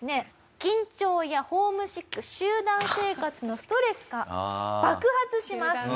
緊張やホームシック集団生活のストレスか爆発します。